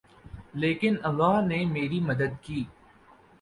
لیکن اللہ نے میری مدد کی